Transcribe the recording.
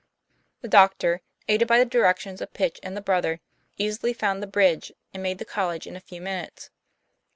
The doctor, aided by the directions of Pitch and the brother, easily found the bridge, and made the college in a few minutes.